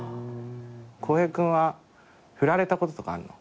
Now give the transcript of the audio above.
洸平君はフラれたこととかあんの？